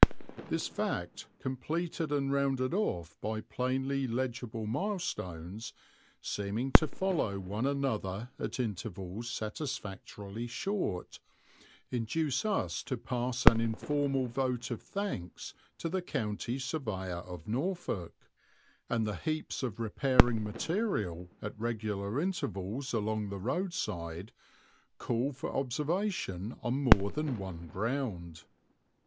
This fact completed and rounded off by plainly legible milestones, seeming to follow one another at intervals satisfactorily short, induce us to pass an informal vote of thanks to the county surveyor of Norfolk, and the heaps of repairing material at regular intervals along the roadside call for observation on more than one ground.